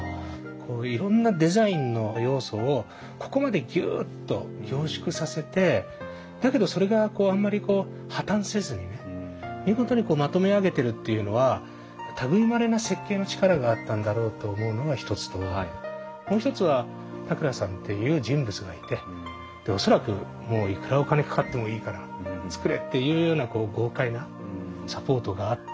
こういろんなデザインの要素をここまでギュッと凝縮させてだけどそれがあんまり破綻せずにね見事にまとめ上げてるっていうのは類いまれな設計の力があったんだろうと思うのが一つともう一つは田倉さんっていう人物がいてで恐らくもういくらお金かかってもいいから作れっていうようなこう豪快なサポートがあって。